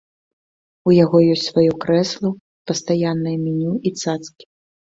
У яго ёсць сваё крэсла, пастаяннае меню і цацкі.